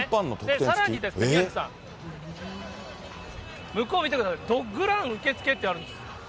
さらにですね、宮根さん、向こう見てください、ドッグラン受付ってあるんです。